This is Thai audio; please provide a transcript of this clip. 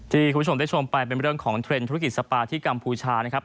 คุณผู้ชมได้ชมไปเป็นเรื่องของเทรนด์ธุรกิจสปาที่กัมพูชานะครับ